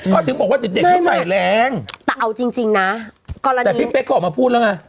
ก็ถึงบอกว่าเด็กคือแต่แรงแต่เอาจริงนะกรณีแต่พี่เป๊กเขาออกมาพูดแล้วไง